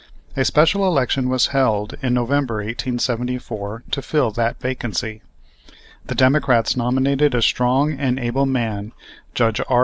A special election was held in November, 1874, to fill that vacancy. The Democrats nominated a strong and able man, Judge R.